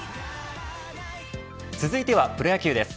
続いてはプロ野球です。